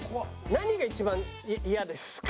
何が一番嫌ですか？